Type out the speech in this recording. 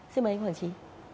xin mời anh hoàng trí